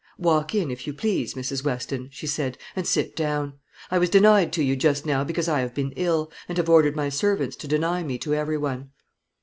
"Walk in, if you please, Mrs. Weston," she said, "and sit down. I was denied to you just now because I have been ill, and have ordered my servants to deny me to every one."